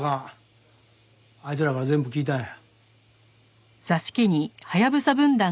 あいつらから全部聞いたんや。